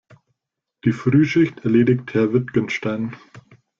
Die Frühschicht erledigt Herr Wittgenstein.